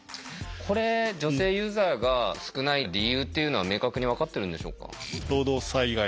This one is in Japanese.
これ女性ユーザーが少ない理由っていうのは明確に分かってるんでしょうか？